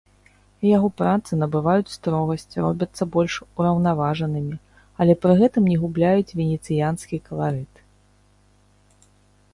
Яго працы набываюць строгасць, робяцца больш ураўнаважанымі, але пры гэтым не губляюць венецыянскі каларыт.